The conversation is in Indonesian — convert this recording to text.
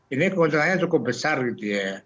ini keuntungannya cukup besar gitu ya